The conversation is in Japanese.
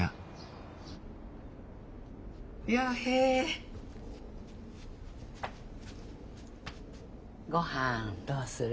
陽平ごはんどうする？